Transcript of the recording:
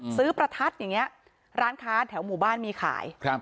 ประทัดอย่างนี้ร้านค้าแถวหมู่บ้านมีขายครับ